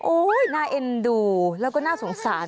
น่าเอ็นดูแล้วก็น่าสงสาร